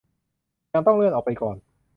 ยังต้องเลื่อนออกไปก่อน